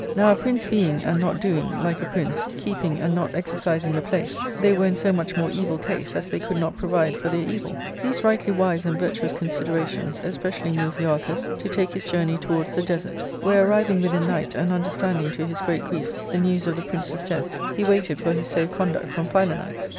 Now a prince being, and not doing, like a prince, keeping and not exercising the place, they were in so much more evil case as they could not provide for their eviL These rightly wise and virtuous considerations especially moved Euarchus to take his journey towards the desert, where arriving within night, and understanding, to his great grief, the news of the prince's death, he waited for his safe conduct from Philanax.